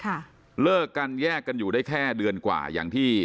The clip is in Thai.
ค่ะเลิกกันแยกกันอยู่ได้แค่เดือนกว่าอย่างที่